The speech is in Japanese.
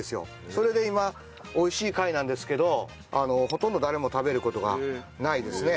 それで今美味しい貝なんですけどほとんど誰も食べる事がないですね。